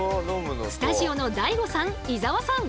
スタジオのＤＡＩＧＯさん伊沢さん